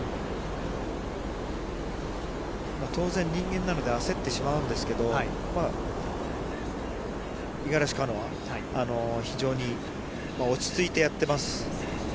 当然、人間なので、焦ってしまうんですけど、五十嵐カノア、非常に落ち着いてやってます。